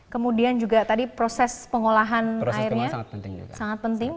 kemudian juga tadi proses pengolahan airnya sangat penting